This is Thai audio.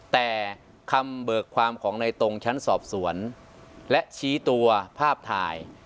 แต่คำเบิกความของในตรงชั้นสอบสวนและชี้ตัวภาพถ่าย